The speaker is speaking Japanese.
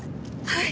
はい。